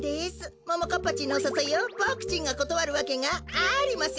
ももかっぱちんのさそいをボクちんがことわるわけがありません。